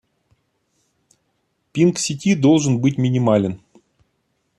Пинг сети должен быть минимален